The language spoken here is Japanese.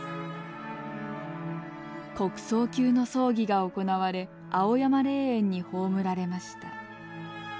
国葬級の葬儀が行われ青山霊園に葬られました。